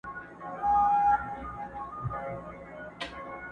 مخا مخ ورته چا نه سو ورکتلای!